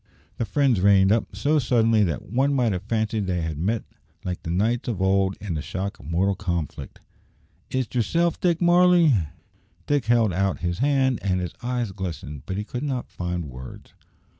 The friends reined up so suddenly that one might have fancied they had met like the knights of old in the shock of mortal conflict. "Is't yerself, Dick Varley?" Dick held out his hand, and his eyes glistened, but he could not find words.